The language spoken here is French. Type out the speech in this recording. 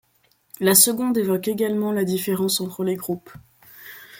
La seconde évoque également la différence entre les groupes.